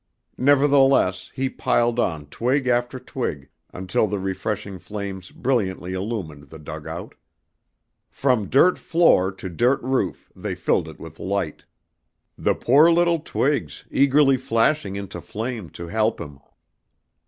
Nevertheless, he piled on twig after twig until the refreshing flames brilliantly illumined the dugout. From dirt floor to dirt roof they filled it with light. The poor little twigs, eagerly flashing into flame to help him!